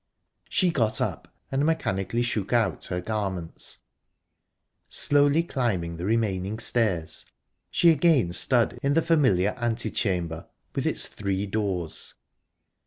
She got up and mechanically shook out her garments. Slowly climbing the remaining stairs, she again stood in the familiar ante chamber, with its three doors.